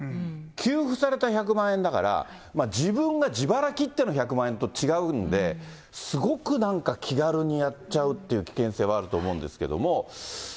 給付された１００万円だから、自分が自腹切っての１００万円と違うんで、すごくなんか気軽にやっちゃうという危険性はあると思うんですけれども。